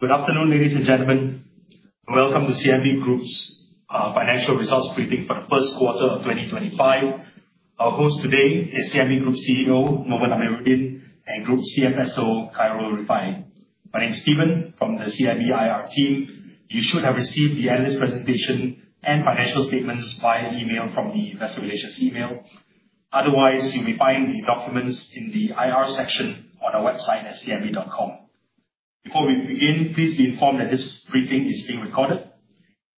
Good afternoon, ladies and gentlemen. Welcome to CIMB Group's financial results briefing for the first quarter of 2025. Our host today is CIMB Group CEO, Novan Amirudin, and Group CFSO, Khairul Rifa'i. My name is Steven from the CIMB IR team. You should have received the analyst presentation and financial statements via email from the Investor Relations email. Otherwise, you may find the documents in the IR section on our website at cimb.com. Before we begin, please be informed that this briefing is being recorded.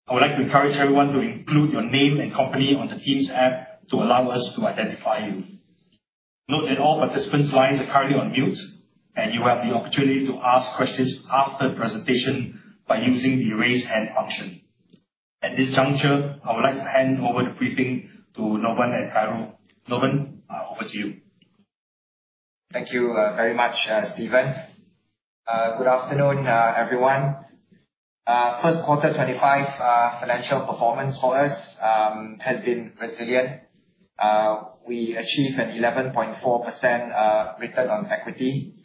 I would like to encourage everyone to include your name and company on the Teams app to allow us to identify you. Note that all participants' lines are currently on mute, and you will have the opportunity to ask questions after the presentation by using the raise hand option. At this juncture, I would like to hand over the briefing to Novan and Khairul. Novan, over to you. Thank you very much, Steven. Good afternoon, everyone. First quarter 2025 financial performance for us, has been resilient. We achieved an 11.4% return on equity.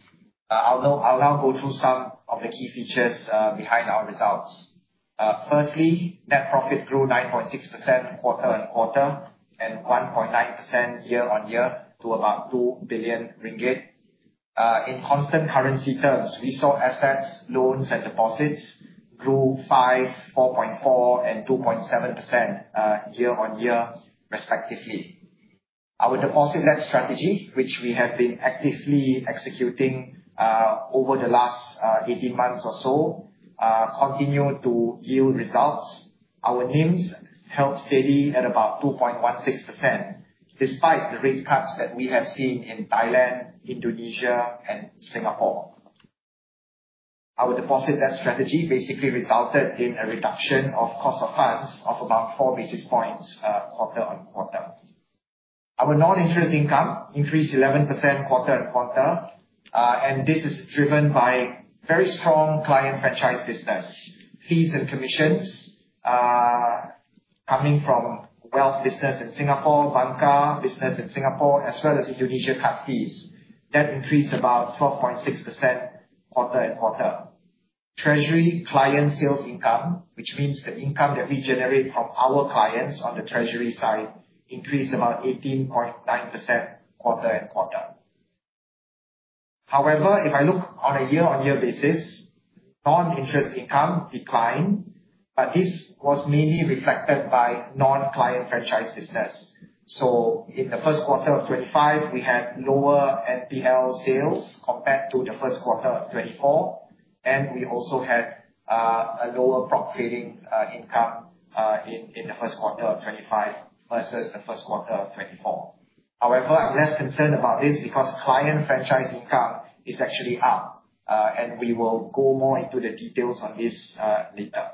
I will now go through some of the key features behind our results. Firstly, net profit grew 9.6% quarter-on-quarter and 1.9% year-on-year to about 2 billion ringgit. In constant currency terms, we saw assets, loans and deposits grew 5%, 4.4%, and 2.7% year-on-year respectively. Our deposit net strategy, which we have been actively executing over the last 18 months or so, continue to yield results. Our NIMs held steady at about 2.16%, despite the rate cuts that we have seen in Thailand, Indonesia, and Singapore. Our deposit net strategy basically resulted in a reduction of cost of funds of about 4 basis points, quarter-on-quarter. Our non-interest income increased 11% quarter-on-quarter. This is driven by very strong client franchise business. Fees and commissions are coming from wealth business in Singapore, Banca business in Singapore, as well as Indonesia cut fees. That increased about 12.6% quarter-on-quarter. Treasury client sales income, which means the income that we generate from our clients on the treasury side, increased about 18.9% quarter-on-quarter. If I look on a year-on-year basis, non-interest income declined. This was mainly reflected by non-client franchise business. In the first quarter of 2025, we had lower NPL sales compared to the first quarter of 2024, and we also had a lower prop trading income in the first quarter of 2025 versus the first quarter of 2024. I'm less concerned about this because client franchise income is actually up. We will go more into the details on this later.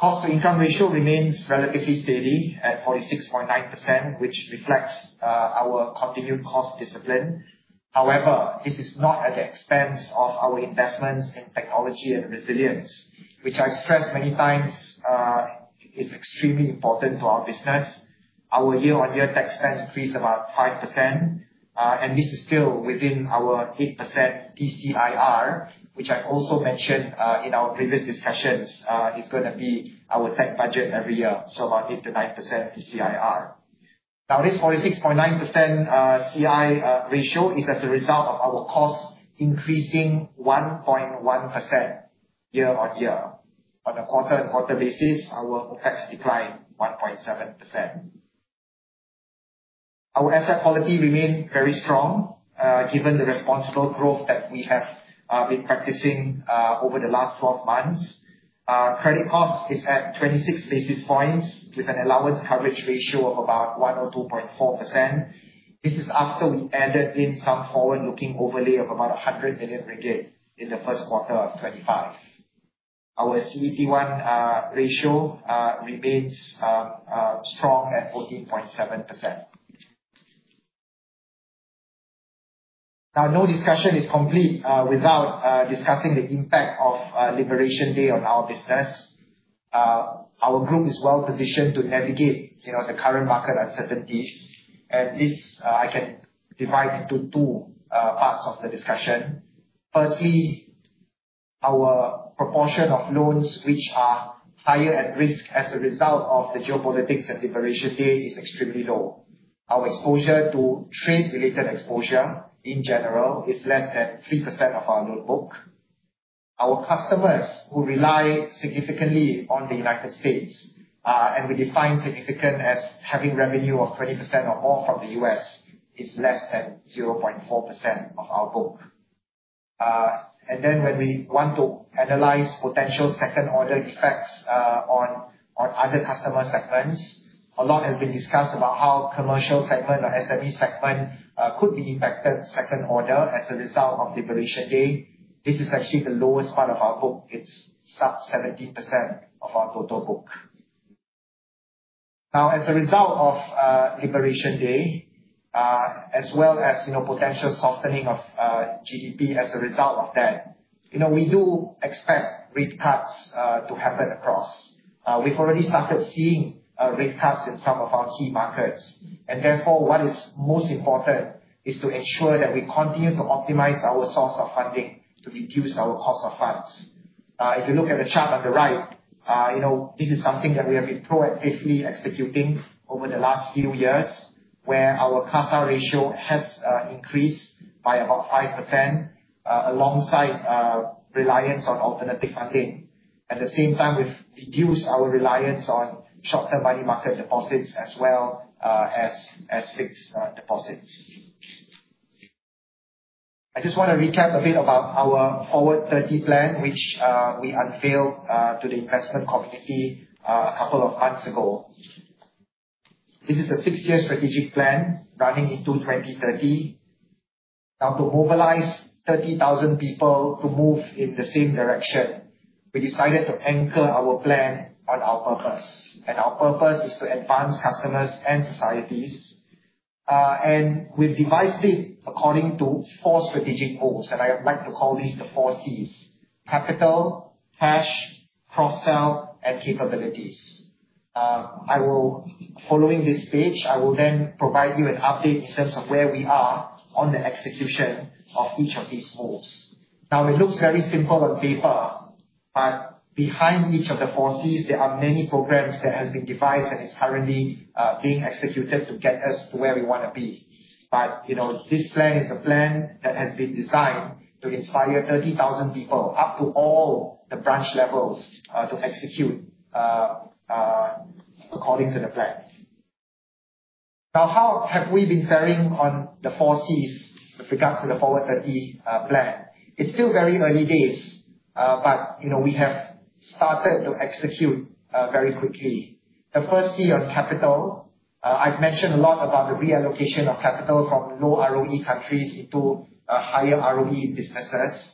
Cost to income ratio remains relatively steady at 46.9%, which reflects our continued cost discipline. This is not at the expense of our investments in technology and resilience, which I stress many times, is extremely important to our business. Our year-on-year tech spend increased about 5%, and this is still within our 8% TCIR, which I've also mentioned, in our previous discussions, is going to be our tech budget every year, so about 8%-9% TCIR. This 46.9% CIR is as a result of our costs increasing 1.1% year-on-year. On a quarter-on-quarter basis, our OpEx declined 1.7%. Our asset quality remains very strong, given the responsible growth that we have been practicing over the last 12 months. Credit cost is at 26 basis points with an allowance coverage ratio of about 102.4%. This is after we added in some forward-looking overlay of about 100 million ringgit in the first quarter of 2025. Our CET1 ratio remains strong at 14.7%. No discussion is complete without discussing the impact of Liberation Day on our business. Our group is well positioned to navigate the current market uncertainties. This I can divide into two parts of the discussion. Our proportion of loans, which are higher at risk as a result of the geopolitics at Liberation Day, is extremely low. Our exposure to trade-related exposure in general is less than 3% of our loan book. Our customers who rely significantly on the United States, and we define significant as having revenue of 20% or more from the U.S., is less than 0.4% of our book. When we want to analyze potential second-order effects on other customer segments, a lot has been discussed about how commercial segment or SME segment could be impacted second order as a result of Liberation Day. This is actually the lowest part of our book. It's sub 17% of our total book. As a result of Liberation Day, as well as potential softening of GDP as a result of that, we do expect rate cuts to happen across. We've already started seeing rate cuts in some of our key markets. Therefore what is most important is to ensure that we continue to optimize our source of funding to reduce our cost of funds. If you look at the chart on the right, this is something that we have been proactively executing over the last few years, where our CASA ratio has increased by about 5% alongside reliance on alternative funding. At the same time, we've reduced our reliance on short-term money market deposits, as well as fixed deposits. I just want to recap a bit about our Forward30 plan, which we unveiled to the investment community a couple of months ago. This is the six-year strategic plan running into 2030. To mobilize 30,000 people to move in the same direction, we decided to anchor our plan on our purpose. Our purpose is to advance customers and societies. We've devised it according to four strategic goals, and I would like to call these the four Cs: capital, cash, cross-sell, and capabilities. Following this page, I will provide you an update in terms of where we are on the execution of each of these goals. It looks very simple on paper, behind each of the four Cs, there are many programs that have been devised and is currently being executed to get us to where we want to be. This plan is a plan that has been designed to inspire 30,000 people, up to all the branch levels, to execute according to the plan. How have we been faring on the four Cs with regards to the Forward30 plan? It's still very early days, we have started to execute very quickly. The first C on capital, I've mentioned a lot about the reallocation of capital from low ROE countries into higher ROE businesses.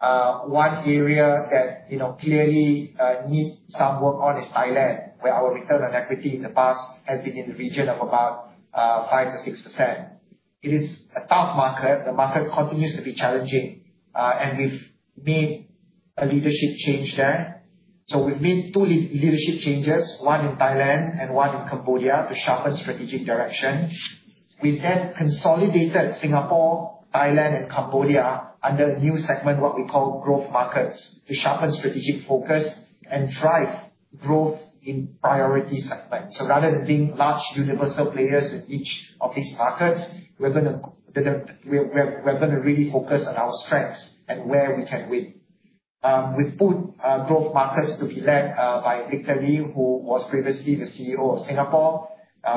One area that clearly needs some work on is Thailand, where our return on equity in the past has been in the region of about 5%-6%. It is a tough market. The market continues to be challenging. We've made a leadership change there. We've made two leadership changes, one in Thailand and one in Cambodia, to sharpen strategic direction. We consolidated Singapore, Thailand, and Cambodia under a new segment, what we call Growth Markets, to sharpen strategic focus and drive growth in priority segments. Rather than being large universal players in each of these markets, we're going to really focus on our strengths and where we can win. We've put Growth Markets to be led by Victor Lee, who was previously the CEO of Singapore.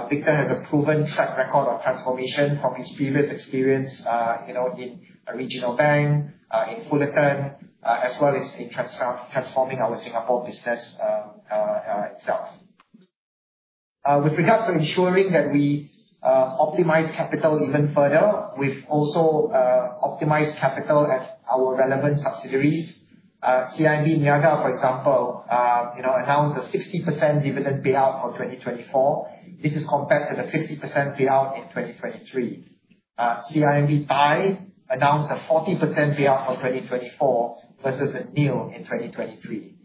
Victor has a proven track record of transformation from his previous experience in a regional bank, in Fullerton, as well as in transforming our Singapore business itself. With regards to ensuring that we optimize capital even further, we've also optimized capital at our relevant subsidiaries. CIMB Niaga, for example, announced a 60% dividend payout for 2024. This is compared to the 50% payout in 2023. CIMB Thai announced a 40% payout for 2024 versus nil in 2023.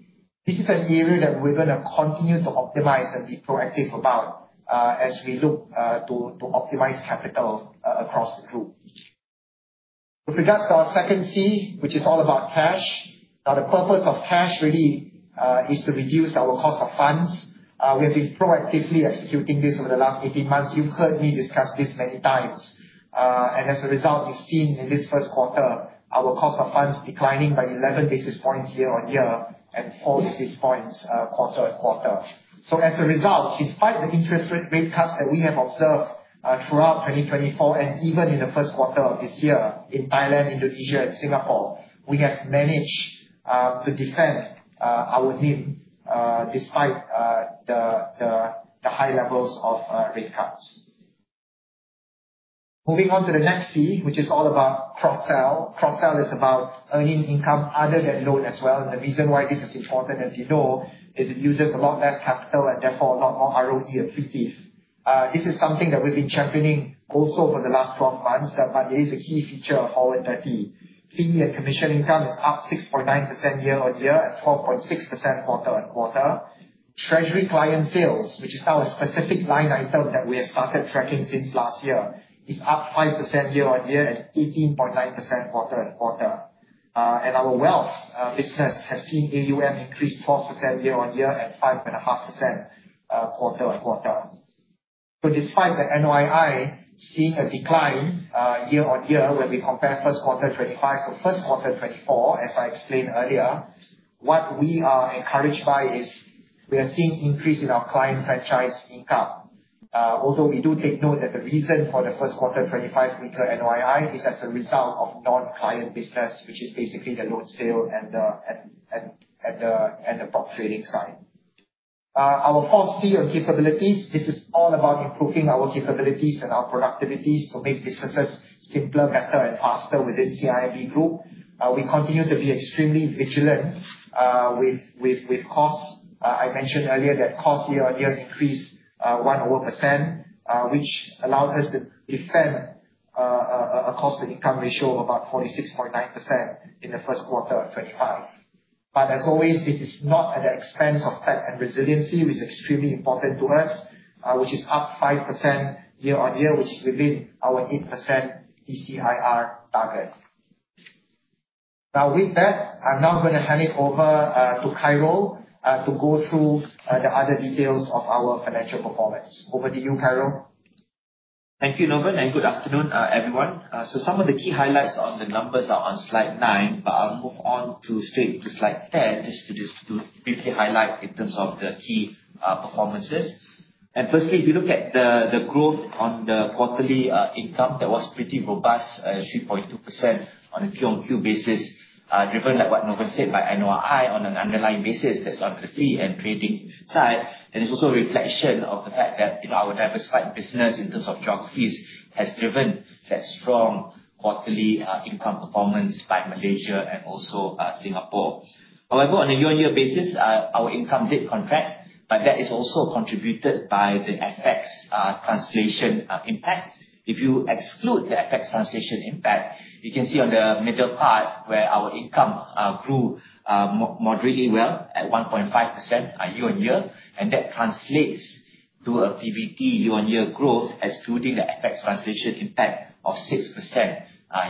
This is an area that we're going to continue to optimize and be proactive about as we look to optimize capital across the group. With regards to our second C, which is all about cash. The purpose of cash really is to reduce our cost of funds. We have been proactively executing this over the last 18 months. You've heard me discuss this many times. As a result, we've seen in this first quarter, our cost of funds declining by 11 basis points year-over-year and four basis points quarter-over-quarter. As a result, despite the interest rate cuts that we have observed throughout 2024, and even in the first quarter of this year in Thailand, Indonesia, and Singapore, we have managed to defend our NIM despite the high levels of rate cuts. Moving on to the next C, which is all about cross-sell. Cross-sell is about earning income other than loans as well, and the reason why this is important, as you know, is it uses a lot less capital and therefore a lot more ROE accretive. This is something that we've been championing also over the last 12 months, it is a key feature of Forward30. Fee and commission income is up 6.9% year-on-year at 12.6% quarter-on-quarter. Treasury client sales, which is now a specific line item that we have started tracking since last year, is up 5% year-on-year at 18.9% quarter-on-quarter. Our wealth business has seen AUM increase 12% year-on-year at 5.5% quarter-on-quarter. Despite the NOII seeing a decline year-on-year, when we compare first quarter 2025 to first quarter 2024, as I explained earlier, what we are encouraged by is we are seeing increase in our client franchise income. Although we do take note that the reason for the first quarter 2025 weaker NOII is as a result of non-client business, which is basically the loan sale and the prop trading side. Our fourth C on capabilities, this is all about improving our capabilities and our productivities to make businesses simpler, better, and faster within CIMB Group. We continue to be extremely vigilant with costs. I mentioned earlier that costs year-on-year increased 1% which allowed us to defend a cost-to-income ratio about 46.9% in the first quarter of 2025. As always, this is not at the expense of tech and resiliency, which is extremely important to us, which is up 5% year-on-year, which is within our 8% ECIR target. With that, I am now going to hand it over to Khairul, to go through the other details of our financial performance. Over to you, Khairul. Thank you, Novan, and good afternoon, everyone. Some of the key highlights on the numbers are on slide nine, but I will move on straight to slide 10, just to briefly highlight in terms of the key performances. Firstly, if you look at the growth on the quarterly income, that was pretty robust, 3.22% on a Q-on-Q basis, driven like what Novan said by NOI on an underlying basis, that is on the fee and trading side. It is also a reflection of the fact that our diversified business in terms of geographies has driven that strong quarterly income performance by Malaysia and also Singapore. However, on a year-on-year basis, our income did contract, but that is also contributed by the FX translation impact. If you exclude the FX translation impact, you can see on the middle part where our income grew moderately well at 1.5% year-on-year, and that translates to a PBT year-on-year growth, excluding the FX translation impact of 6%,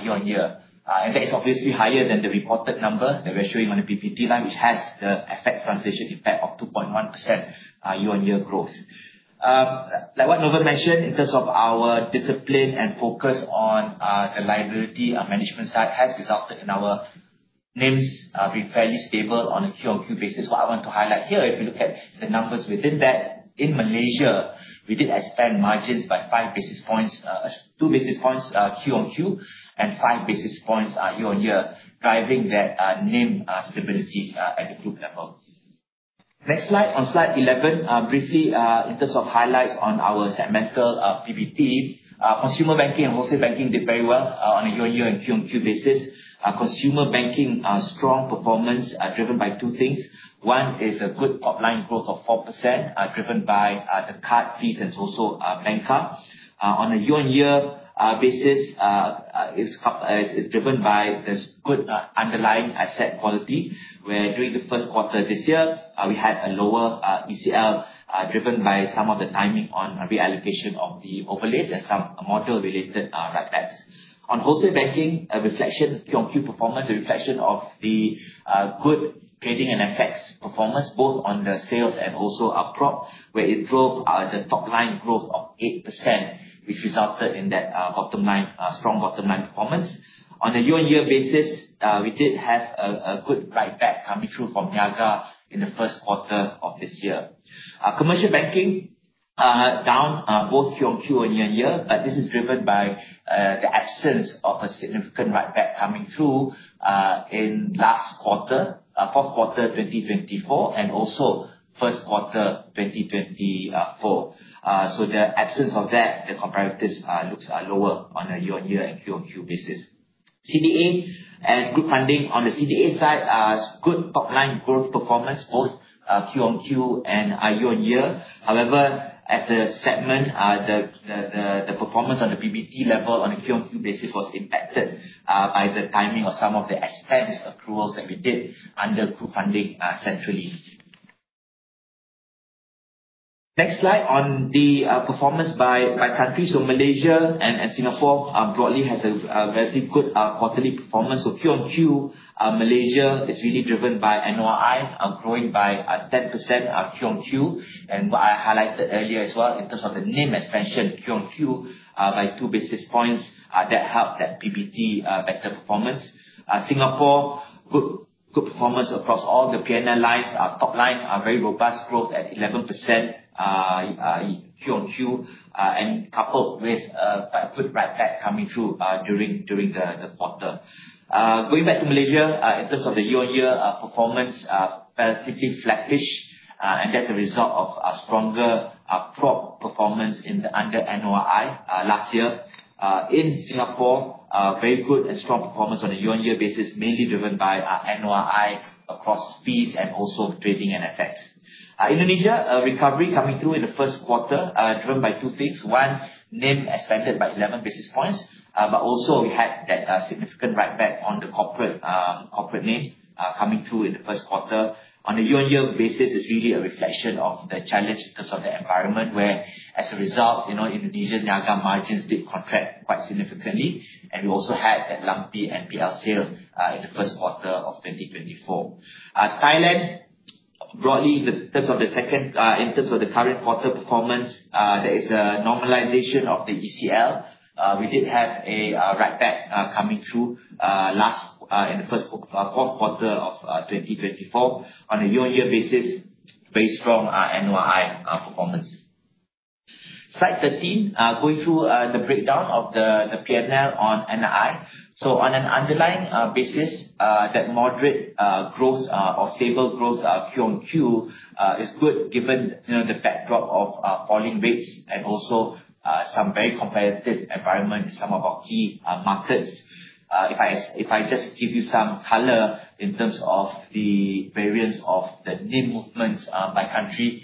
year-on-year. That is obviously higher than the reported number that we are showing on the PBT line, which has the FX translation impact of 2.1% year-on-year growth. Like what Novan mentioned, in terms of our discipline and focus on the liability management side has resulted in our NIMs being fairly stable on a Q-on-Q basis. What I want to highlight here, if you look at the numbers within that, in Malaysia, we did expand margins by two basis points Q-on-Q and five basis points year-on-year, driving that NIM stability at the group level. Next slide, on slide 11, briefly in terms of highlights on our segmental PBT. Consumer banking and wholesale banking did very well on a year-on-year and Q on Q basis. Consumer banking strong performance, driven by two things. One is a good top-line growth of 4%, driven by the card fees and also bank cards. On a year-on-year basis, it's driven by this good underlying asset quality, where during the first quarter this year, we had a lower ECL, driven by some of the timing on reallocation of the overlays and some model-related write-backs. On wholesale banking, a reflection Q on Q performance, a reflection of the good trading and FX performance, both on the sales and also our prop, where it drove the top-line growth of 8%, which resulted in that strong bottom line performance. On a year-on-year basis, we did have a good write-back coming through from Niaga in the first quarter of this year. Commercial banking, down both Q on Q and year on year, but this is driven by the absence of a significant write-back coming through in last quarter, fourth quarter 2024, and also first quarter 2024. The absence of that, the comparatives looks lower on a year-on-year and Q on Q basis. CDA and group funding. On the CDA side, good top-line growth performance, both Q on Q and year on year. However, as a segment, the performance on the PBT level on a Q on Q basis was impacted by the timing of some of the expense approvals that we did under group funding centrally. Next slide on the performance by country. Malaysia and Singapore broadly has a relatively good quarterly performance. Q on Q, Malaysia is really driven by NOI, growing by 10% Q on Q. What I highlighted earlier as well in terms of the NIM expansion Q on Q by two basis points, that helped that PBT better performance. Singapore, good performance across all the PNL lines. Our top-line, very robust growth at 11% Q on Q, and coupled with a good write-back coming through during the quarter. Going back to Malaysia, in terms of the year-on-year performance, relatively flat-ish, and that's a result of a stronger prop performance under NOI last year. In Singapore, very good and strong performance on a year-on-year basis, mainly driven by our NOI across fees and also trading and FX. Indonesia, a recovery coming through in the first quarter, driven by two things. One, NIM expanded by 11 basis points, but also we had that significant write-back on the corporate NIM coming through in the first quarter. On a year-on-year basis, it's really a reflection of the challenge in terms of the environment, where as a result, Indonesia Niaga margins did contract quite significantly, and we also had that lumpy NPL sale in the first quarter of 2024. Thailand, broadly in terms of the current quarter performance, there is a normalization of the ECL. We did have a write-back coming through in the fourth quarter of 2024. On a year-on-year basis, very strong NOI performance Slide 13, going through the breakdown of the PNL on NII. On an underlying basis, that moderate growth or stable growth Q on Q is good given the backdrop of falling rates and also some very competitive environment in some of our key markets. If I just give you some color in terms of the variance of the NIM movements by country.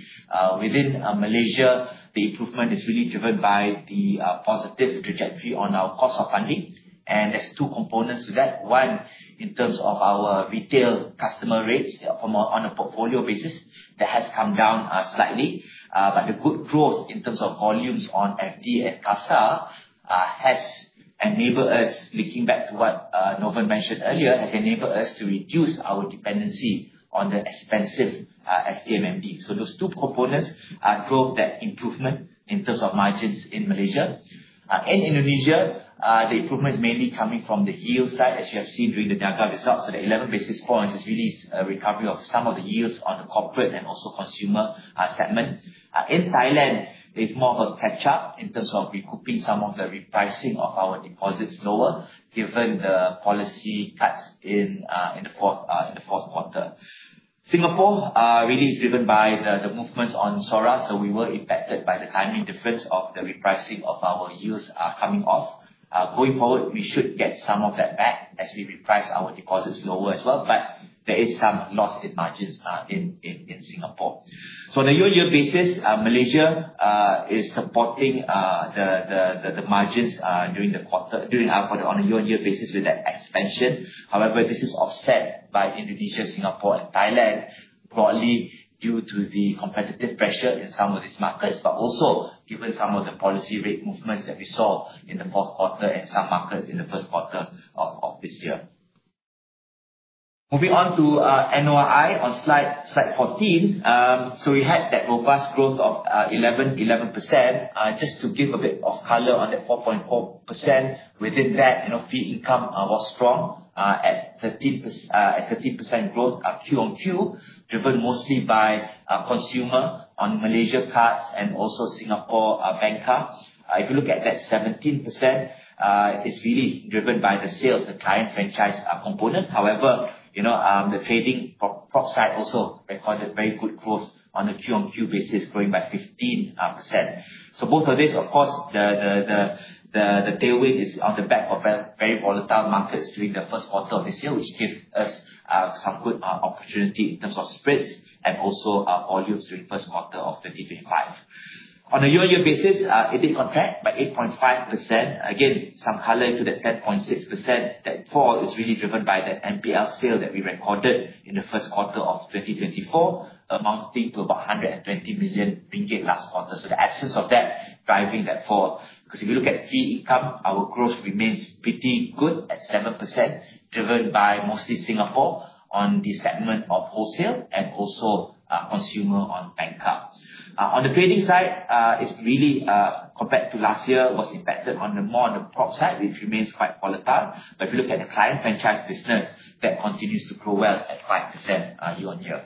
Within Malaysia, the improvement is really driven by the positive trajectory on our cost of funding, and there is two components to that. One, in terms of our retail customer rates from on a portfolio basis, that has come down slightly. But the good growth in terms of volumes on FD and CASA has enabled us, linking back to what Novan mentioned earlier, has enabled us to reduce our dependency on the expensive STMMD. So those two components drove that improvement in terms of margins in Malaysia. In Indonesia, the improvement is mainly coming from the yield side, as you have seen during the Niaga results. The 11 basis points is really a recovery of some of the yields on the corporate and also consumer segment. In Thailand, it is more of a catch-up in terms of recouping some of the repricing of our deposits lower, given the policy cuts in the fourth quarter. Singapore really is driven by the movements on SORA, so we were impacted by the timing difference of the repricing of our yields coming off. Going forward, we should get some of that back as we reprice our deposits lower as well. But there is some loss in margins in Singapore. So the year-on-year basis, Malaysia is supporting the margins during our quarter on a year-on-year basis with that expansion. However, this is offset by Indonesia, Singapore, and Thailand, broadly due to the competitive pressure in some of these markets, but also given some of the policy rate movements that we saw in the fourth quarter in some markets in the first quarter of this year. Moving on to NOI on slide 14. We had that robust growth of 11%. Just to give a bit of color on that 4.4% within that, fee income was strong at 13% growth Q on Q, driven mostly by consumer on Malaysia cards and also Singapore bank cards. If you look at that 17%, it is really driven by the sales, the client franchise component. However, the trading prop side also recorded very good growth on a Q on Q basis, growing by 15%. Both of these, of course, the tailwind is on the back of very volatile markets during the first quarter of this year, which gave us some good opportunity in terms of spreads and also volumes during the first quarter of 2025. On a year-on-year basis, a bit contract by 8.5%. Again, some color into that 10.6%. That fall is really driven by the NPL sale that we recorded in the first quarter of 2024, amounting to about 120 million ringgit last quarter. The absence of that, driving that fall. Because if you look at fee income, our growth remains pretty good at 7%, driven by mostly Singapore on the segment of wholesale and also consumer on bank cards. On the trading side, it is really, compared to last year, was impacted on the more on the prop side, which remains quite volatile. But if you look at the client franchise business, that continues to grow well at 5% year-on-year.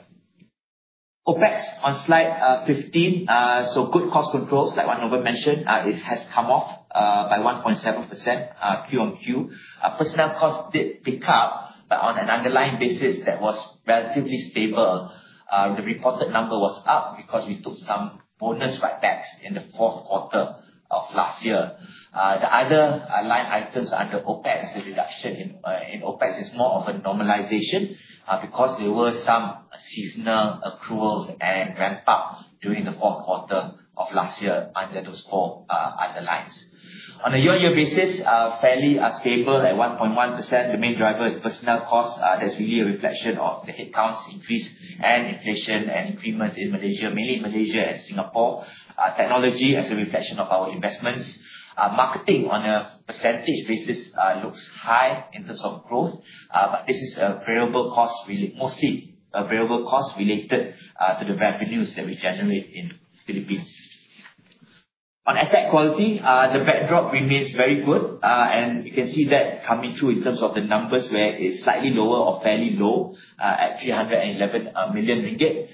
OpEx on slide 15. Good cost control, like what Novan mentioned, it has come off by 1.7% Q on Q. Personnel costs did pick up, but on an underlying basis, that was relatively stable. The reported number was up because we took some bonus write-backs in the fourth quarter of last year. The other line items under OpEx, the reduction in OpEx is more of a normalization, because there were some seasonal accruals and ramp up during the fourth quarter of last year under those four underlines. On a year-on-year basis, fairly stable at 1.1%. The main driver is personnel cost. That's really a reflection of the headcounts increase and inflation and improvements in Malaysia, mainly Malaysia and Singapore. Technology as a reflection of our investments. Marketing on a percentage basis looks high in terms of growth, but this is mostly a variable cost related to the revenues that we generate in Philippines. On asset quality, the backdrop remains very good, and you can see that coming through in terms of the numbers where it is slightly lower or fairly low at 311 million ringgit.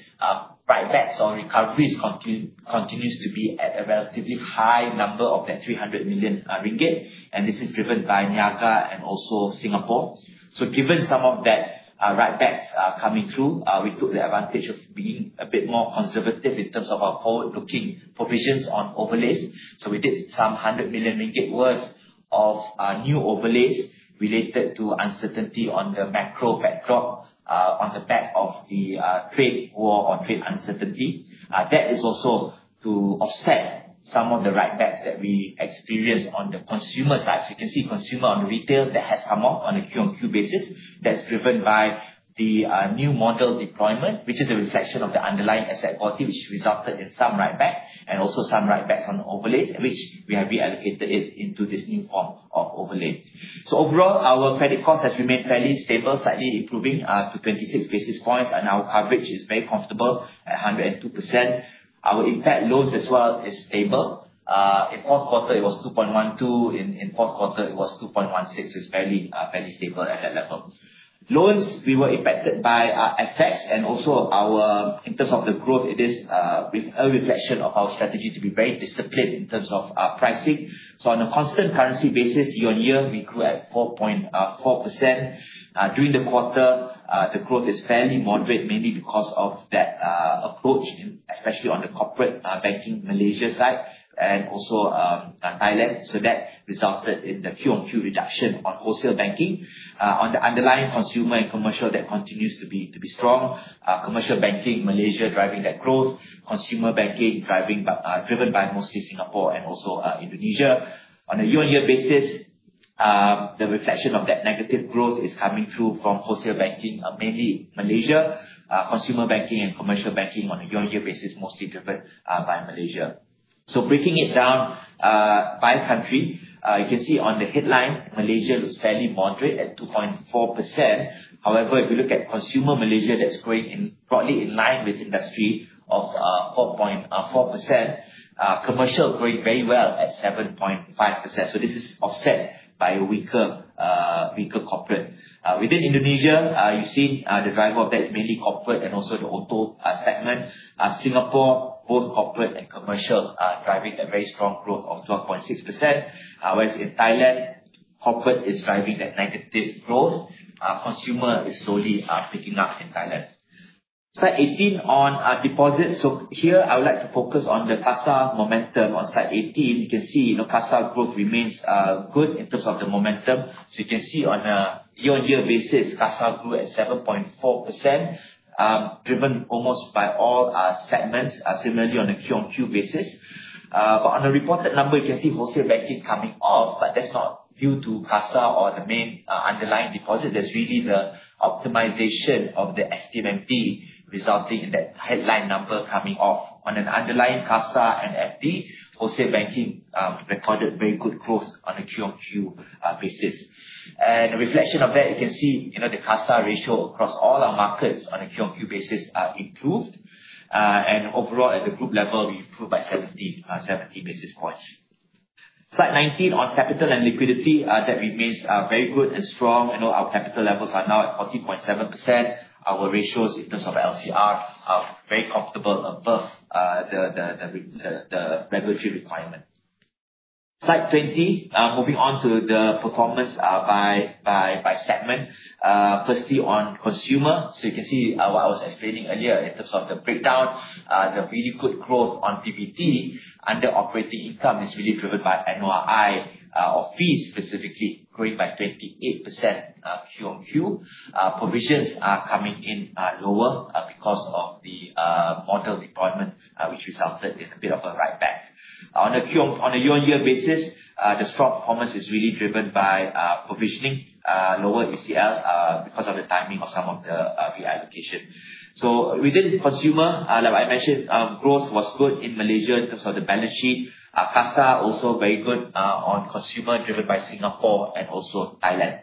Write-backs on recovery continues to be at a relatively high number of that 300 million ringgit, and this is driven by Niaga and also Singapore. Given some of that write-backs coming through, we took the advantage of being a bit more conservative in terms of our forward-looking provisions on overlays. We did some 100 million ringgit worth of new overlays related to uncertainty on the macro backdrop, on the back of the trade war or trade uncertainty. That is also to offset some of the write-backs that we experienced on the consumer side. You can see consumer on retail that has come off on a Q-on-Q basis. That's driven by the new model deployment, which is a reflection of the underlying asset quality, which resulted in some write-back and also some write-backs on the overlays, which we have reallocated it into this new form of overlay. Overall, our credit cost has remained fairly stable, slightly improving to 26 basis points, and our coverage is very comfortable at 102%. Our impaired loans as well is stable. In fourth quarter, it was 2.12. In fourth quarter, it was 2.16. It's fairly stable at that level. Loans, we were impacted by FX and also in terms of the growth, it is a reflection of our strategy to be very disciplined in terms of our pricing. On a constant currency basis, year-on-year, we grew at 4.4%. During the quarter, the growth is fairly moderate, mainly because of that approach, especially on the corporate banking Malaysia side and also Thailand. That resulted in the Q-on-Q reduction on wholesale banking. On the underlying consumer and commercial, that continues to be strong. Commercial banking, Malaysia driving that growth. Consumer banking, driven by mostly Singapore and also Indonesia. On a year-on-year basis, the reflection of that negative growth is coming through from wholesale banking, mainly Malaysia. Consumer banking and commercial banking on a year-on-year basis, mostly driven by Malaysia. Breaking it down by country, you can see on the headline, Malaysia looks fairly moderate at 2.4%. However, if you look at consumer Malaysia, that's growing broadly in line with industry of 4.4%. Commercial growing very well at 7.5%. This is offset by a weaker corporate. Within Indonesia, you see the driver of that is mainly corporate and also the auto segment. Singapore, both corporate and commercial, are driving a very strong growth of 12.6%, whereas in Thailand, corporate is driving that negative growth. Consumer is slowly picking up in Thailand. Slide 18 on deposits. Here, I would like to focus on the CASA momentum. On slide 18, you can see CASA growth remains good in terms of the momentum. You can see on a year-on-year basis, CASA grew at 7.4%, driven almost by all segments. Similarly, on a Q-on-Q basis. On a reported number, you can see wholesale banking coming off, but that's not due to CASA or the main underlying deposit. That's really the optimization of the activity, resulting in that headline number coming off. On an underlying CASA and FD, wholesale banking recorded very good growth on a Q-on-Q basis. A reflection of that, you can see the CASA ratio across all our markets on a Q-on-Q basis improved. Overall, at the group level, we improved by 70 basis points. Slide 19 on capital and liquidity, that remains very good and strong. Our capital levels are now at 14.7%. Our ratios in terms of LCR are very comfortable above the regulatory requirement. Slide 20, moving on to the performance by segment. Firstly, on consumer. You can see what I was explaining earlier in terms of the breakdown. The really good growth on PBT under operating income is really driven by NOI or fees specifically, growing by 28% Q-on-Q. Provisions are coming in lower because of the model deployment, which resulted in a bit of a write-back. On a year-on-year basis, the strong performance is really driven by provisioning, lower ECL, because of the timing of some of the reallocation. Within consumer, like I mentioned, growth was good in Malaysia in terms of the balance sheet. CASA also very good on consumer, driven by Singapore and also Thailand.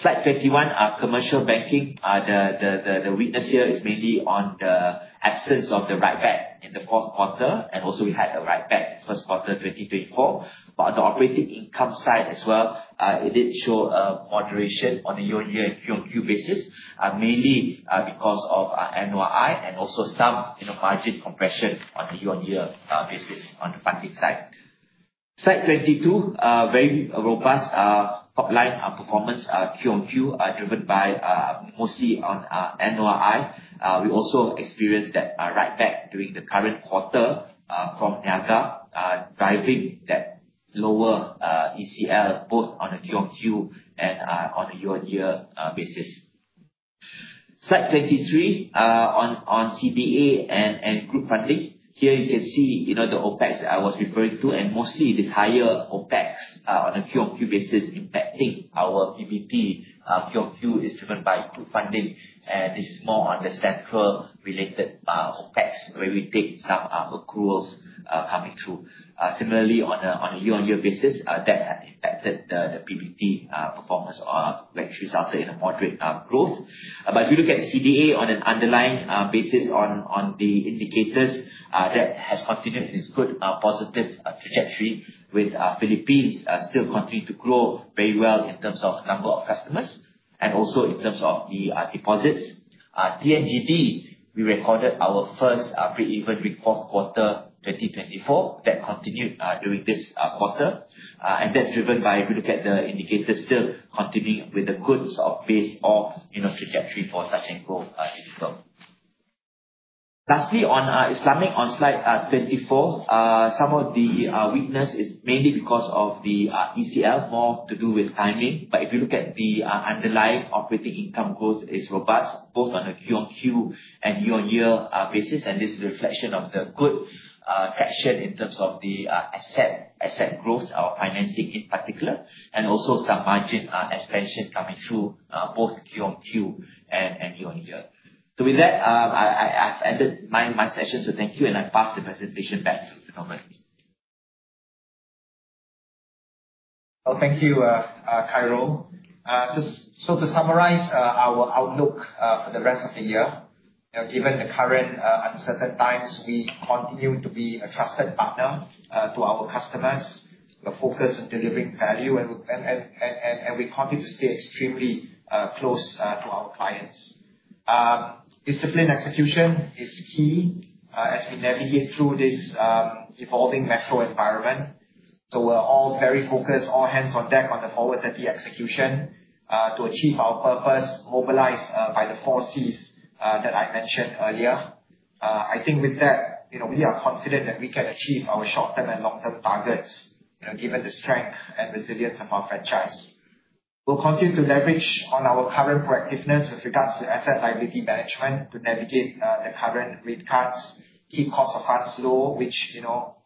Slide 21, commercial banking. The weakness here is mainly on the absence of the write-back in the fourth quarter, and also we had a write-back first quarter 2024. On the operating income side as well, it did show a moderation on a year-on-year and Q-on-Q basis, mainly because of NOI and also some margin compression on a year-on-year basis on the funding side. Slide 22. Very robust top line performance Q-on-Q, driven by mostly on NOI. We also experienced that write-back during the current quarter, from Niaga, driving that lower ECL, both on a Q-on-Q and on a year-on-year basis. Slide 23, on CBA and group funding. Here you can see the OpEx I was referring to, and mostly this higher OpEx on a Q-on-Q basis impacting our PBT. Q-on-Q is driven by group funding, and this is more on the Central related OpEx, where we take some accruals coming through. Similarly, on a year-on-year basis, that has impacted the PBT performance, which resulted in a moderate growth. If you look at CBA on an underlying basis on the indicators, that has continued its good positive trajectory with Philippines still continuing to grow very well in terms of number of customers and also in terms of the deposits. TNGD, we recorded our first breakeven in fourth quarter 2024. That continued during this quarter, and that's driven by, if you look at the indicators, still continuing with the good pace of trajectory for such growth in film. Lastly, on Islamic on slide 24. Some of the weakness is mainly because of the ECL, more to do with timing. If you look at the underlying operating income growth is robust, both on a quarter-over-quarter and year-over-year basis, and this is a reflection of the good traction in terms of the asset growth or financing in particular, and also some margin expansion coming through both quarter-over-quarter and year-over-year. With that, I've ended my session. Thank you, and I pass the presentation back to Thomas. Thank you, Khairul. To summarize our outlook for the rest of the year, given the current uncertain times, we continue to be a trusted partner to our customers. We're focused on delivering value, and we continue to stay extremely close to our clients. Discipline execution is key as we navigate through this evolving macro environment. We're all very focused, all hands on deck, on the Forward30 execution to achieve our purpose mobilized by the four Cs that I mentioned earlier. I think with that, we are confident that we can achieve our short-term and long-term targets, given the strength and resilience of our franchise. We'll continue to leverage on our current proactiveness with regards to asset liability management to navigate the current rate cuts, keep cost of funds low, which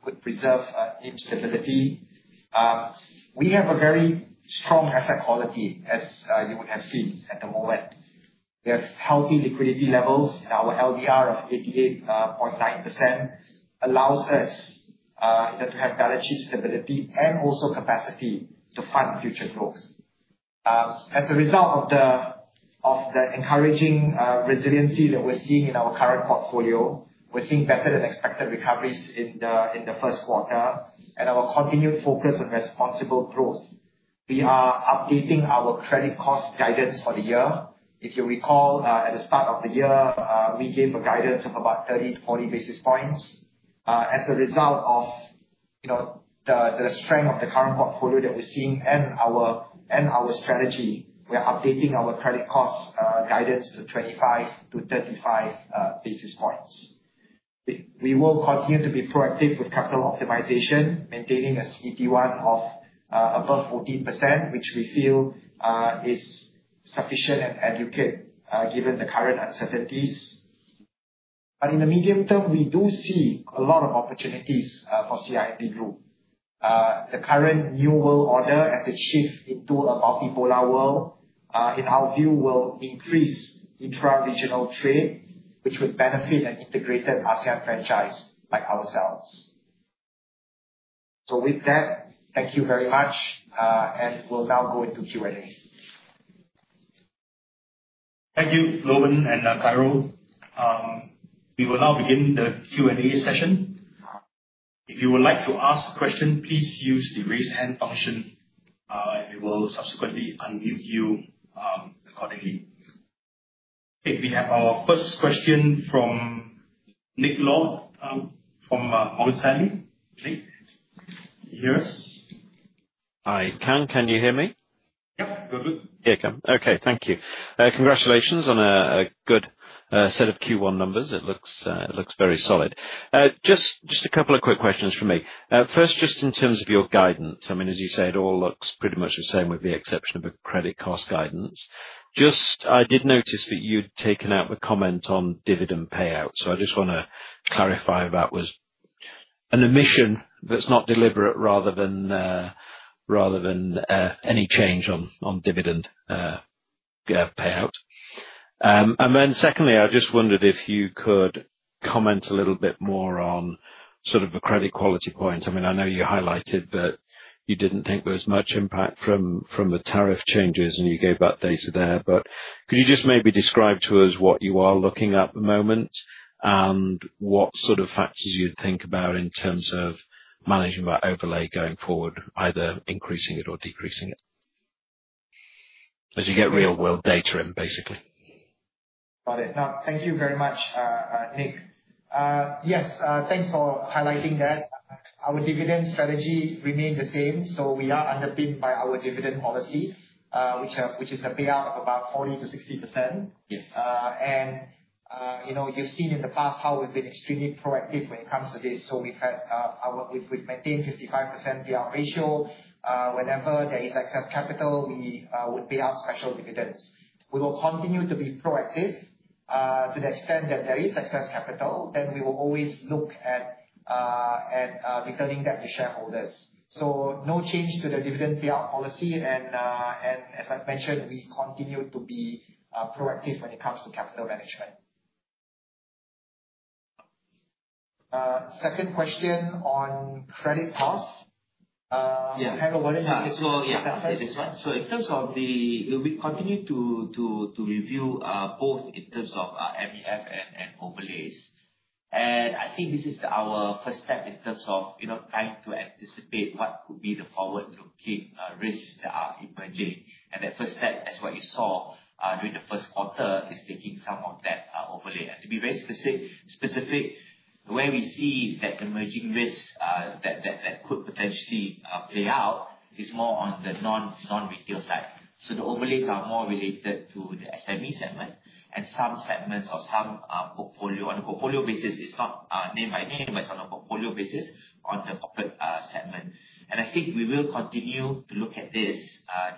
would preserve stability. We have a very strong asset quality as you would have seen at the moment. We have healthy liquidity levels, and our LDR of 88.9% allows us to have balance sheet stability and also capacity to fund future growth. As a result of the encouraging resiliency that we're seeing in our current portfolio, we're seeing better-than-expected recoveries in the first quarter and our continued focus on responsible growth. We are updating our credit cost guidance for the year. If you recall, at the start of the year, we gave a guidance of about 30 to 40 basis points. As a result of the strength of the current portfolio that we're seeing and our strategy, we are updating our credit cost guidance to 25 to 35 basis points. We will continue to be proactive with capital optimization, maintaining a CET1 of above 14%, which we feel is sufficient and adequate given the current uncertainties. In the medium term, we do see a lot of opportunities for CIMB Group. The current new world order as a shift into a multipolar world, in our view, will increase intra-regional trade, which would benefit an integrated ASEAN franchise like ourselves. With that, thank you very much, and we'll now go into Q&A. Thank you, Loh Woon and Khairul. We will now begin the Q&A session. If you would like to ask a question, please use the raise hand function, and we will subsequently unmute you accordingly. We have our first question from Nick Lord from Morgan Stanley. Nick, can you hear us? I can. Can you hear me? Yep, good. Yeah, come. Okay, thank you. Congratulations on a good set of Q1 numbers. It looks very solid. Just a couple of quick questions from me. First, just in terms of your guidance, as you say, it all looks pretty much the same with the exception of the credit cost guidance. I did notice that you'd taken out the comment on dividend payout. I just want to clarify if that was an omission that's not deliberate rather than any change on dividend payout. Secondly, I just wondered if you could comment a little bit more on sort of the credit quality point. I know you highlighted that you didn't think there was much impact from the tariff changes, and you gave that data there, could you just maybe describe to us what you are looking at the moment and what sort of factors you'd think about in terms of managing that overlay going forward, either increasing it or decreasing it? As you get real world data in, basically. Got it. No, thank you very much, Nick. Yes, thanks for highlighting that. Our dividend strategy remains the same, we are underpinned by our dividend policy, which is a payout of about 40%-60%. Yes. You've seen in the past how we've been extremely proactive when it comes to this. We've maintained 55% payout ratio. Whenever there is excess capital, we would pay out special dividends. We will continue to be proactive to the extent that there is excess capital, we will always look at returning that to shareholders. No change to the dividend payout policy. As I've mentioned, we continue to be proactive when it comes to capital management. Second question on credit costs. Yeah. I don't know whether you want to take that first? Yeah, that's right. In terms of the, we continue to review, both in terms of MEF and overlays. I think this is our first step in terms of trying to anticipate what could be the forward-looking risks that are emerging. That first step, as what you saw during the first quarter, is taking some of that overlay. To be very specific, where we see that emerging risk that could potentially play out is more on the non-retail side. The overlays are more related to the SME segment and some segments or some portfolio. On a portfolio basis, it's not name by name, but it's on a portfolio basis on the corporate segment. I think we will continue to look at this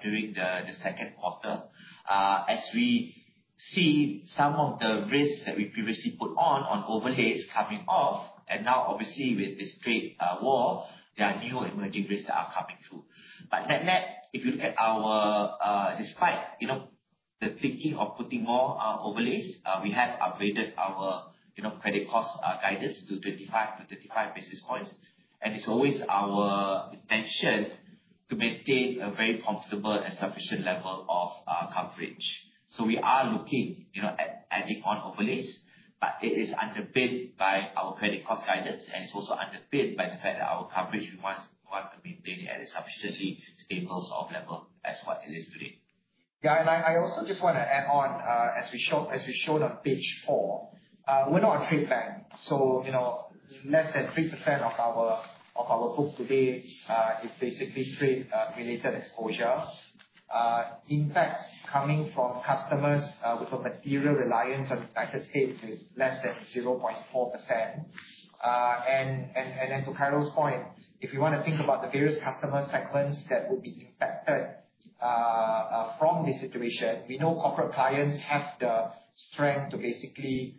during the second quarter. As we see some of the risks that we previously put on overlays coming off, now obviously with this trade war, there are new emerging risks that are coming through. Net, if you look at our, despite, you know, the thinking of putting more overlays. We have upgraded our credit cost guidance to 25 to 35 basis points. It's always our intention to maintain a very comfortable and sufficient level of coverage. We are looking at adding on overlays. It is underpinned by our credit cost guidance. It's also underpinned by the fact that our coverage, we want to maintain at a sufficiently stable sort of level as what it is today. Yeah, I also just want to add on, as we showed on page four, we're not a trade bank. Less than 3% of our book today is basically trade-related exposure. In fact, coming from customers with a material reliance on the United States is less than 0.4%. To Khairil's point, if you want to think about the various customer segments that would be impacted from this situation, we know corporate clients have the strength to basically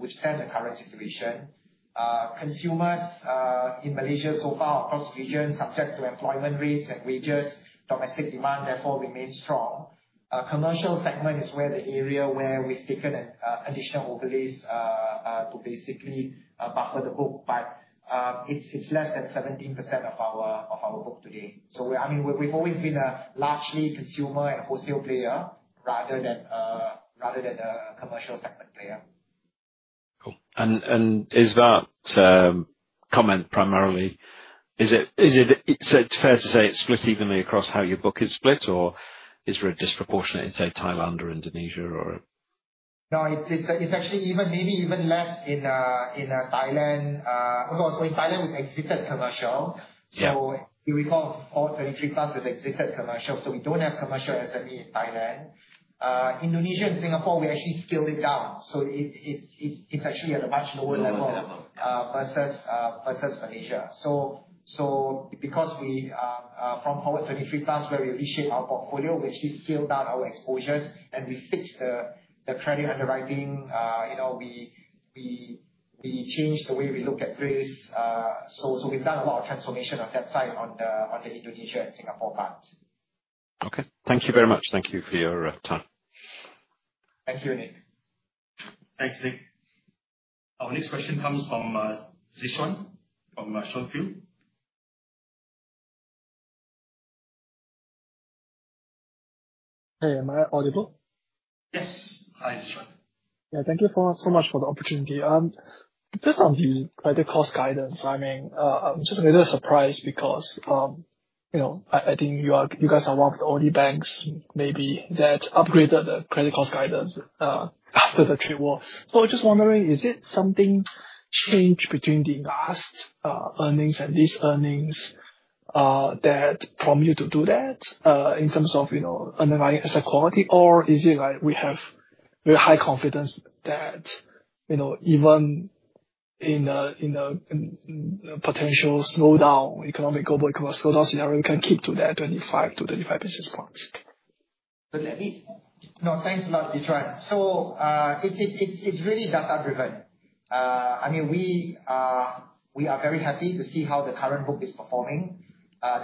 withstand the current situation. Consumers, in Malaysia so far, across regions, subject to employment rates and wages, domestic demand therefore remains strong. Commercial segment is where the area where we've taken an additional overlays to basically buffer the book. It's less than 17% of our book today. We've always been a largely consumer and wholesale player rather than a commercial segment player. Cool. Is it fair to say it's split evenly across how your book is split, or is there a disproportionate in, say, Thailand or Indonesia? No, it's actually maybe even less in Thailand. In Thailand, we've exited commercial. Yeah. If you recall, Forward23+, we've exited commercial, we don't have commercial SME in Thailand. Indonesia and Singapore, we actually scaled it down. It's actually at a much lower level. Lower level. versus Malaysia. Because from Forward23+, where we reshaped our portfolio, we actually scaled down our exposures, and we fixed the credit underwriting. We changed the way we look at risk. We've done a lot of transformation on that side on the Indonesia and Singapore parts. Thank you very much. Thank you for your time. Thank you, Nick. Thanks, Nick. Our next question comes from Zhi Quan, from Shunpil. Hey, am I audible? Yes. Hi, Zhi Quan. Thank you so much for the opportunity. Just on the credit cost guidance, I'm just a little surprised because I think you guys are one of the only banks maybe that upgraded the credit cost guidance, after the trade war. I was just wondering, is it something changed between the last earnings and these earnings, that prompt you to do that, in terms of underlying asset quality, or is it like we have very high confidence that even in a potential slowdown, economic slowdown scenario, we can keep to that 25 to 35 basis points? To Danny. Thanks a lot, Zhi Quan. It's really data-driven. We are very happy to see how the current book is performing.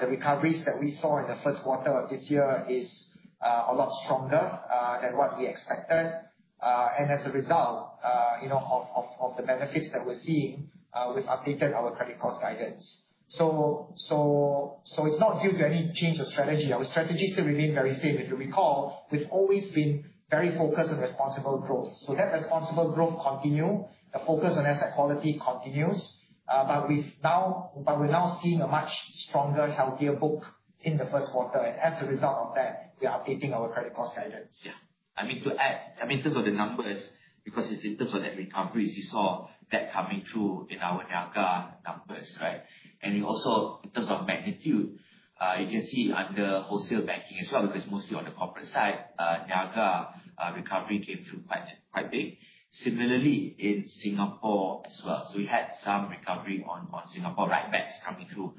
The recoveries that we saw in the first quarter of this year is a lot stronger than what we expected. As a result of the benefits that we're seeing, we've updated our credit cost guidance. It's not due to any change of strategy. Our strategy still remain very same. If you recall, we've always been very focused on responsible growth. That responsible growth continue, the focus on asset quality continues, but we're now seeing a much stronger, healthier book in the first quarter. As a result of that, we are updating our credit cost guidance. To add, in terms of the numbers, because it's in terms of the recoveries, you saw that coming through in our Niaga numbers, right? In also, in terms of magnitude, you can see under wholesale banking as well, because mostly on the corporate side, Niaga recovery came through quite big. Similarly, in Singapore as well. We had some recovery on Singapore RIB backs coming through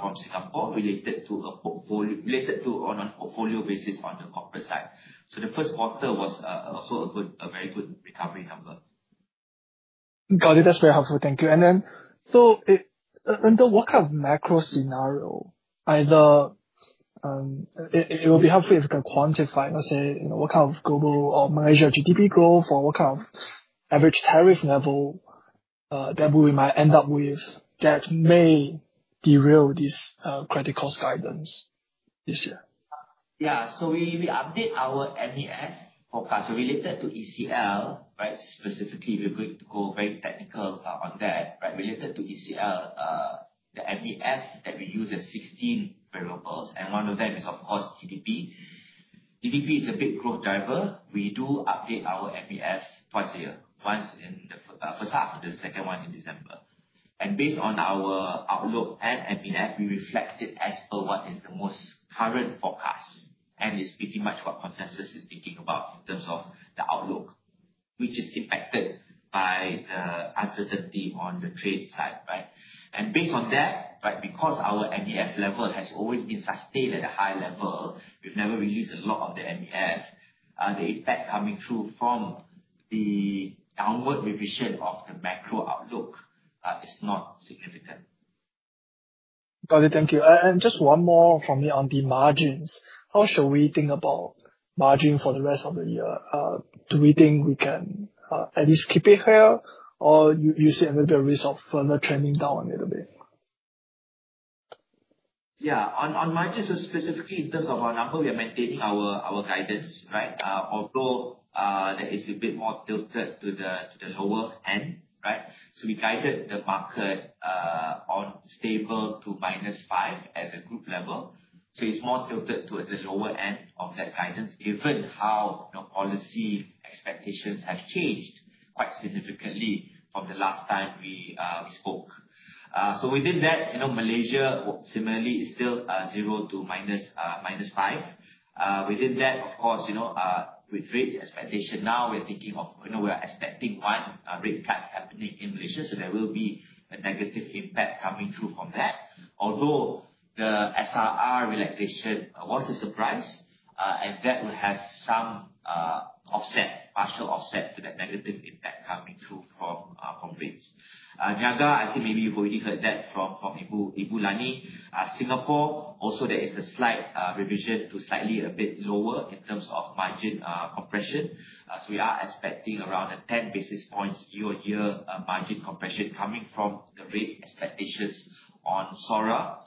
from Singapore related to on a portfolio basis on the corporate side. The first quarter was also a very good recovery number. Got it. That's very helpful. Thank you. Under what kind of macro scenario, It will be helpful if you can quantify, let's say, what kind of global or Malaysia GDP growth or what kind of average tariff level that we might end up with that may derail this credit cost guidance this year? We update our MEF forecast related to ECL, right? Specifically, we're going to go very technical on that, but related to ECL, the MEF that we use is 16 variables, and one of them is, of course, GDP. GDP is a big growth driver. We do update our MEF twice a year. Once in the first half, the second one in December. Based on our outlook and MEF, we reflect it as per what is the most current forecast, and it's pretty much what consensus is thinking about in terms of the outlook, which is impacted by the uncertainty on the trade side, right? Based on that, because our MEF level has always been sustained at a high level, we've never released a lot of the MEF. The impact coming through from the downward revision of the macro outlook is not significant. Got it. Thank you. Just one more from me on the margins. How should we think about margin for the rest of the year? Do we think we can at least keep it here, or you see a little bit of risk of further trending down a little bit? On margins, specifically in terms of our number, we are maintaining our guidance, right? That is a bit more tilted to the lower end, right? We guided the market on stable to -5 at the group level. It's more tilted towards the lower end of that guidance given how policy expectations have changed quite significantly from the last time we spoke. Within that, Malaysia similarly is still 0 to -5. Within that, of course, with rate expectation now, we're expecting one rate cut happening in Malaysia. There will be a negative impact coming through from that. The SRR relaxation was a surprise, and that will have some partial offset to that negative impact coming through from rates. Niaga, I think maybe you've already heard that from Ibu Lani. Singapore, also, there is a slight revision to slightly a bit lower in terms of margin compression. We are expecting around a 10 basis points year-on-year margin compression coming from the rate expectations on SORA.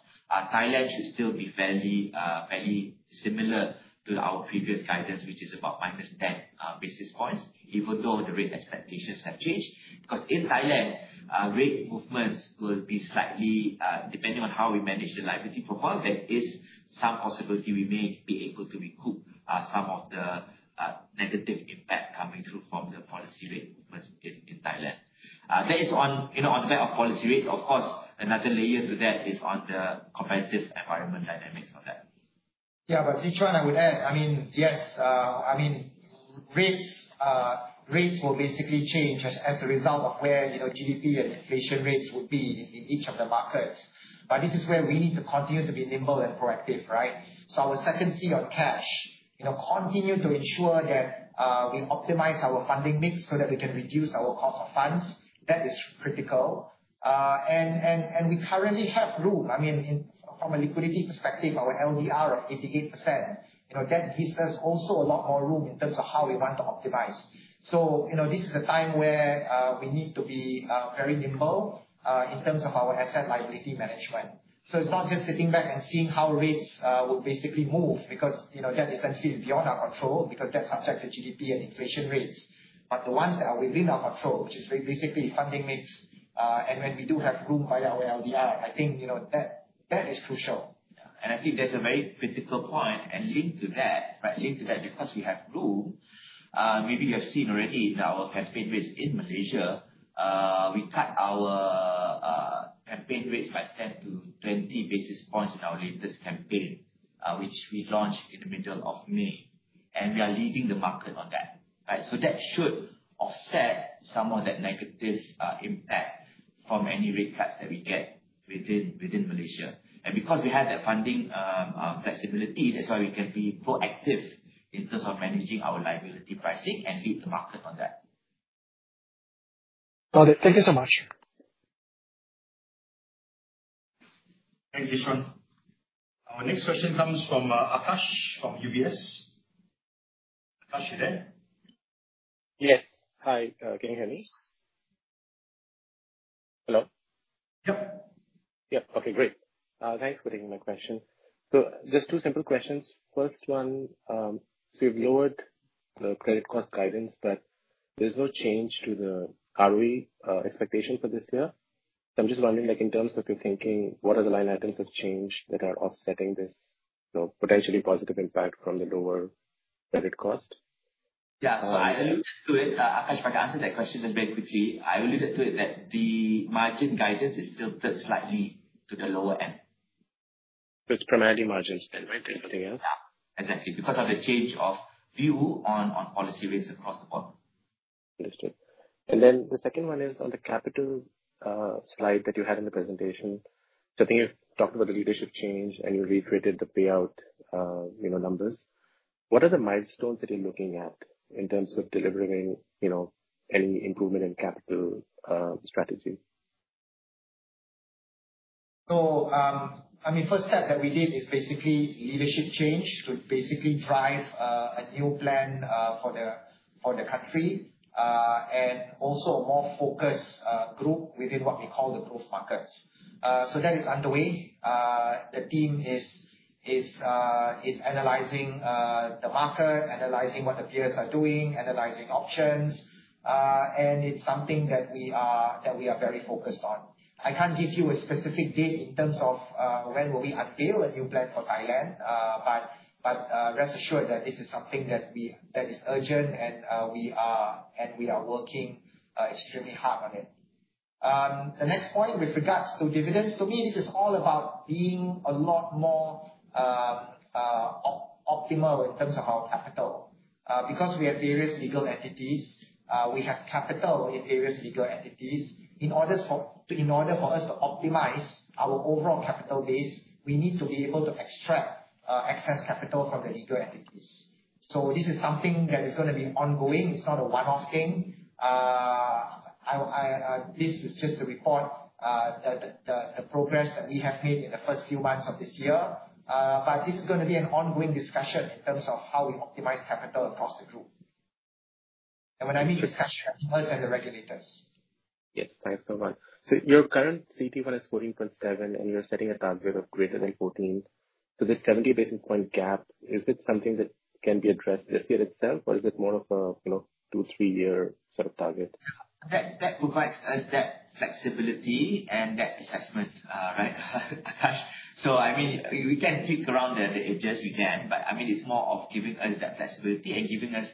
Thailand should still be fairly similar to our previous guidance, which is about -10 basis points, even though the rate expectations have changed, because in Thailand, rate movements will be slightly, depending on how we manage the liability profile, there is some possibility we may be able to recoup some of the negative impact coming through from the policy rate movements in Thailand. That is on the back of policy rates. Of course, another layer to that is on the competitive environment dynamics of that. Zhi Quan, I would add, yes, rates will basically change as a result of where GDP and inflation rates would be in each of the markets. This is where we need to continue to be nimble and proactive, right? Our second key on cash, continue to ensure that we optimize our funding mix so that we can reduce our cost of funds. That is critical. We currently have room, from a liquidity perspective, our LDR of 88%, that gives us also a lot more room in terms of how we want to optimize. This is a time where we need to be very nimble, in terms of our asset liability management. It's not just sitting back and seeing how rates will basically move because, that essentially is beyond our control because that's subject to GDP and inflation rates. The ones that are within our control, which is basically funding mix, and when we do have room via our LDR, I think that is crucial. I think that's a very critical point. Linked to that, because we have room, maybe you have seen already in our campaign rates in Malaysia, we cut our campaign rates by 10 to 20 basis points in our latest campaign, which we launched in the middle of May. We are leading the market on that. That should offset some of that negative impact from any rate cuts that we get within Malaysia. Because we have that funding flexibility, that's why we can be proactive in terms of managing our liability pricing and lead the market on that. Got it. Thank you so much. Thanks, Zhi Quan. Our next question comes from Akash from UBS. Akash, you there? Yes. Hi, can you hear me? Hello? Yep. Yep. Okay, great. Thanks for taking my question. Just two simple questions. First one, you've lowered the credit cost guidance, there's no change to the ROE expectation for this year. I'm just wondering, in terms of your thinking, what are the line items of change that are offsetting this potentially positive impact from the lower credit cost? Yeah. I alluded to it, Akash, if I can answer that question just very quickly. I alluded to it that the margin guidance is tilted slightly to the lower end. It's primarily margins then, right, basically, yeah? Yeah, exactly. Because of the change of view on policy rates across the board. Understood. The second one is on the capital slide that you had in the presentation. I think you talked about the leadership change, and you recreated the payout numbers. What are the milestones that you're looking at in terms of delivering any improvement in capital strategy? First step that we did is basically leadership change to basically drive a new plan, for the country, and also a more focused group within what we call the Growth Markets. That is underway. The team is analyzing the market, analyzing what the peers are doing, analyzing options. It's something that we are very focused on. I can't give you a specific date in terms of when will we unveil a new plan for Thailand. Rest assured that this is something that is urgent and we are working extremely hard on it. The next point with regards to dividends, for me, this is all about being a lot more optimal in terms of our capital. We have various legal entities, we have capital in various legal entities. In order for us to optimize our overall capital base, we need to be able to extract excess capital from the legal entities. This is something that is going to be ongoing. It's not a one-off thing. This is just to report the progress that we have made in the first few months of this year. This is going to be an ongoing discussion in terms of how we optimize capital across the group. When I mean discussion, us and the regulators. Yes. Thanks, Novan. Your current CET1 is 14.7, and you're setting a target of greater than 14. This 70 basis point gap, is it something that can be addressed this year itself, or is it more of a 2, 3-year sort of target? That provides us that flexibility and that assessment, right? Akash. We can tweak around the edges, it's more of giving us that flexibility and giving us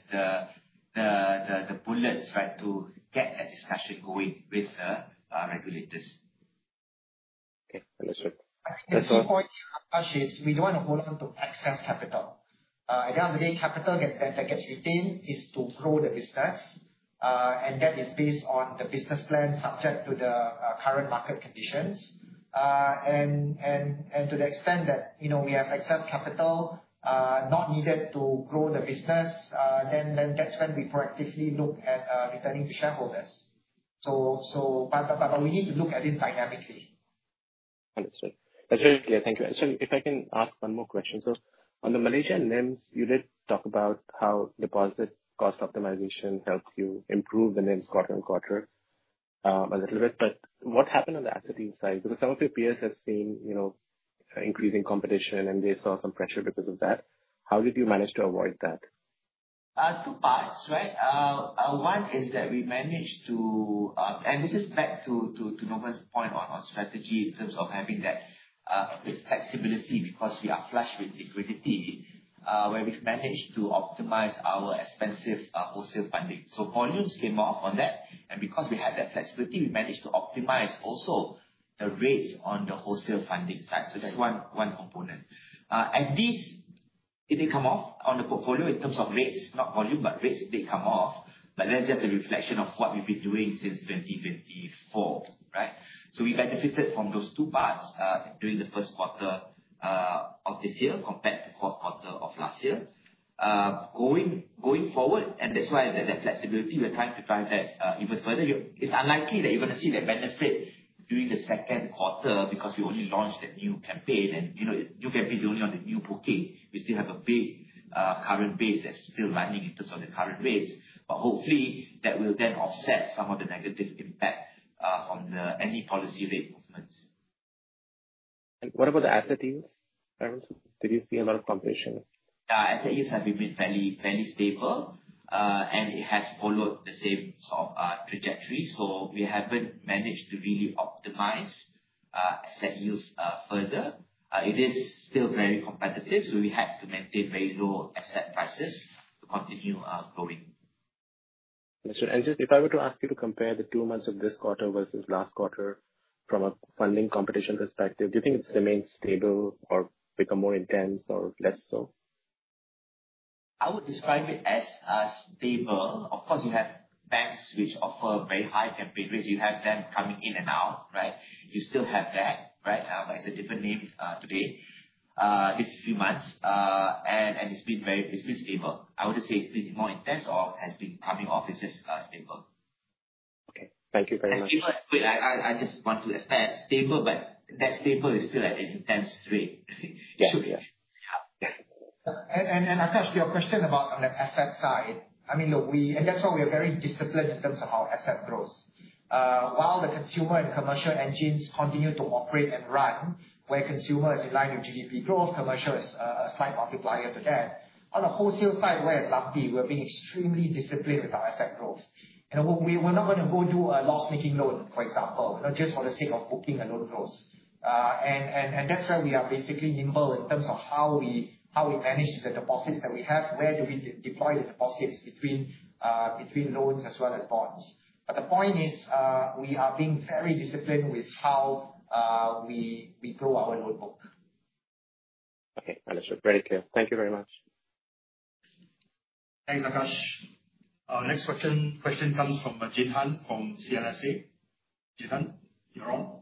the bullets to get a discussion going with regulators. Okay, understood. That's all. The key point, Akash, is we don't want to hold on to excess capital. At the end of the day, capital that gets retained is to grow the business, and that is based on the business plan subject to the current market conditions. To the extent that we have excess capital not needed to grow the business, then that's when we proactively look at returning to shareholders. We need to look at it dynamically. Understood. That's very clear. Thank you. If I can ask one more question. On the Malaysian NIMS, you did talk about how deposit cost optimization helps you improve the NIMS quarter-on-quarter, a little bit, but what happened on the asset yield side? Some of your peers have seen increasing competition, and they saw some pressure because of that. How did you manage to avoid that? Two parts, right? One is that we managed to This is back to Novan's point on our strategy in terms of having that flexibility because we are flush with liquidity, where we've managed to optimize our expensive wholesale funding. Volumes came off on that, and because we had that flexibility, we managed to optimize also the rates on the wholesale funding side. That's one component. It did come off on the portfolio in terms of rates, not volume, but rates did come off. That's just a reflection of what we've been doing since 2024, right? We benefited from those two parts during the first quarter of this year compared to quarter of last year. Going forward, and that's why there's that flexibility, we're trying to drive that even further. It's unlikely that you're going to see that benefit during the second quarter because we only launched that new campaign. New campaign is only on the new booking. We still have a big current base that's still running in terms of the current rates. Hopefully that will then offset some of the negative impact on any policy rate movements. What about the asset yields, Clarence? Did you see a lot of competition? Asset yields have been fairly stable, it has followed the same sort of trajectory. We haven't managed to really optimize asset yields further. It is still very competitive, we had to maintain very low asset prices to continue growing. Understood. Just, if I were to ask you to compare the two months of this quarter versus last quarter from a funding competition perspective, do you think it remains stable or become more intense or less so? I would describe it as stable. Of course, you have banks which offer very high campaign rates. You have them coming in and out, right? You still have that, right? It's a different name today, this few months. It's been stable. I wouldn't say it's been more intense or has been coming off as just stable. Okay. Thank you very much. I just want to explain stable, but that stable is still at an intense rate. Yeah. Yeah. Akash, your question about on the asset side, that's why we are very disciplined in terms of our asset growth. While the consumer and commercial engines continue to operate and run, where consumer is in line with GDP growth, commercial is a slight multiplier to that. On the wholesale side, we're lucky, we're being extremely disciplined with our asset growth. We're not going to go do a loss-making loan, for example, just for the sake of booking a loan growth. That's why we are basically nimble in terms of how we manage the deposits that we have. Where do we deploy the deposits between loans as well as bonds? The point is, we are being very disciplined with how we grow our loan book. Okay, understood. Very clear. Thank you very much. Thanks, Akash. Our next question comes from Jin Hun from CLSA. Jin Hun, you're on.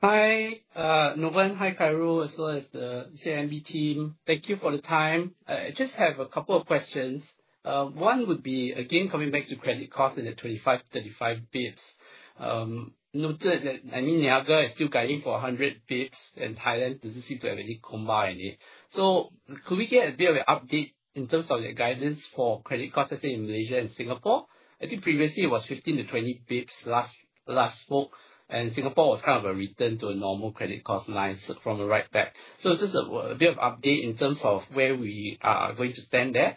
Hi, Novan. Hi, Khairul, as well as the CIMB team. Thank you for the time. I just have a couple of questions. One would be, again, coming back to credit cost in the 25-35 bps. Noted that CIMB Niaga is still guiding for 100 bps and Thailand doesn't seem to have any combine it. Could we get a bit of an update in terms of your guidance for credit costs, let's say, in Malaysia and Singapore? I think previously it was 15-20 bps last spoke, and Singapore was kind of a return to a normal credit cost line from the right back. Is this a bit of update in terms of where we are going to stand there?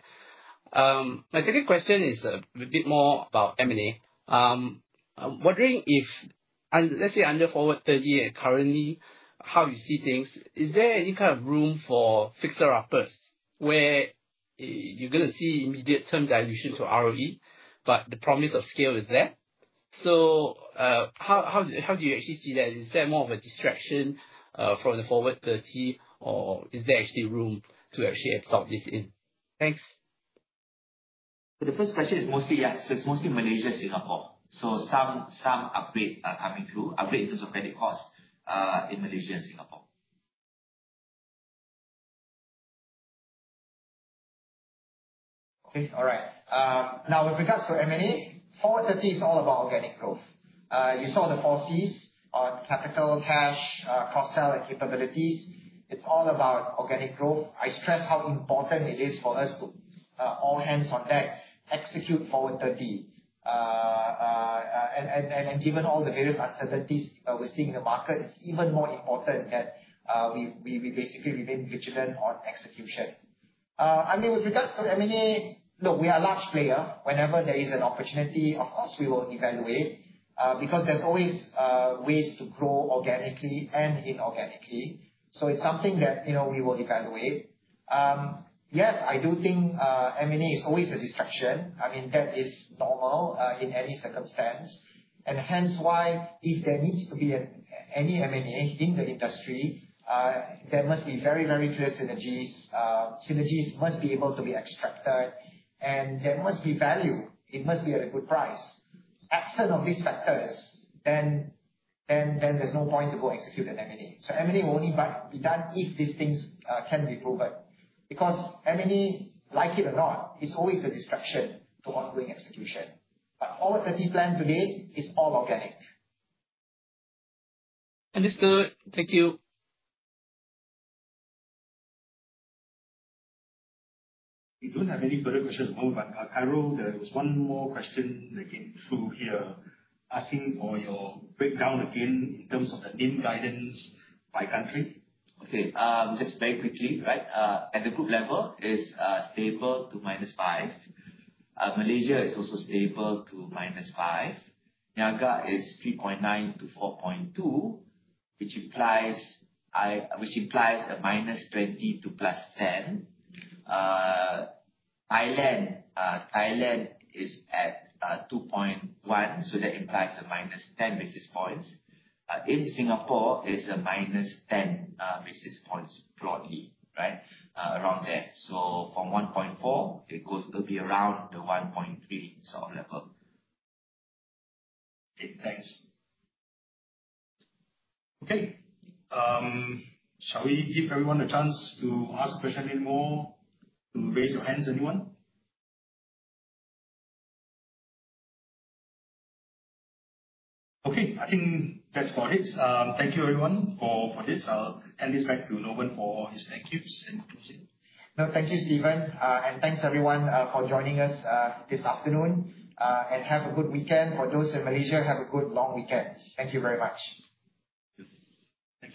My second question is a bit more about M&A. I'm wondering if, let's say, under Forward30 and currently, how you see things, is there any kind of room for fixer-uppers where you're going to see immediate term dilution to ROE, but the promise of scale is there? How do you actually see that? Is that more of a distraction from the Forward30, or is there actually room to actually absorb this in? Thanks. The first question is mostly, yes, it's mostly Malaysia, Singapore. Some updates are coming through. Update in terms of credit cost, in Malaysia and Singapore Okay. All right. With regards to M&A, Forward30 is all about organic growth. You saw the four Cs, capital, cash, cross-sell, and capabilities. It's all about organic growth. I stress how important it is for us to all hands on deck execute Forward30. Given all the various uncertainties we're seeing in the market, it's even more important that we basically remain vigilant on execution. With regards to M&A, look, we are a large player. Whenever there is an opportunity, of course, we will evaluate because there's always ways to grow organically and inorganically. It's something that we will evaluate. Yes, I do think M&A is always a distraction. That is normal in any circumstance, hence why, if there needs to be any M&A in the industry, there must be very clear synergies. Synergies must be able to be extracted, and there must be value. It must be at a good price. Absent of these factors, there's no point to go execute an M&A. M&A will only be done if these things can be proven, because M&A, like it or not, is always a distraction to ongoing execution. Our 30 plan to date is all organic. Understood. Thank you. We don't have any further questions at the moment, Khairul, there was one more question that came through here asking for your breakdown again in terms of the NIM guidance by country. Okay. Just very quickly, right? At the group level, it's stable to -5. Malaysia is also stable to -5. Niaga is 3.9 to 4.2, which implies a -20 to +10. Thailand is at 2.1, that implies a -10 basis points. In Singapore, it's a -10 basis points broadly. Around there. From 1.4, it goes to be around the 1.3 sort of level. Okay, thanks. Okay. Shall we give everyone a chance to ask a question anymore? Raise your hands, anyone. Okay, I think that's all it is. Thank you everyone for this. I'll hand this back to Novan for his thank yous and that's it. No, thank you, Steven. Thanks, everyone, for joining us this afternoon. Have a good weekend. For those in Malaysia, have a good long weekend. Thank you very much. Thank you